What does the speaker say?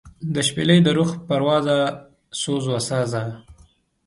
دشپیلۍ دروح پروازه سوزوسازه